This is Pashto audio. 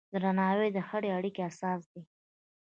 درناوی د هرې اړیکې اساس دی.